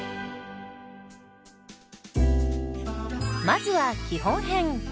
まずは基本編。